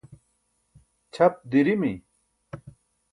ćʰap dirimi